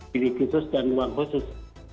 jadi itu sudah dengan ruang khusus